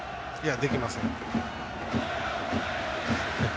できません。